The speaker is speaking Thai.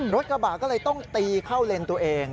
รถกระบะก็เลยต้องตีเข้าเลนตัวเอง